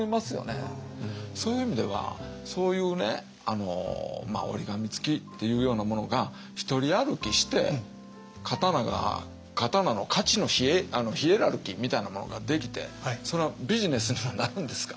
そういう意味ではそういうね折り紙つきというようなものが一人歩きして刀が刀の価値のヒエラルキーみたいなものができてそれはビジネスにもなるんですか？